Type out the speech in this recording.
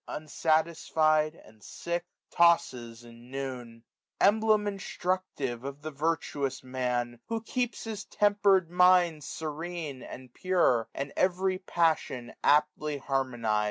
Unsatisfied, and sick, tosses in noon. Emblem instructive of the virtuous Man, 465 Who keeps his temper^ mind serene, and pure ; And eveary passion aptly harmoniz'd.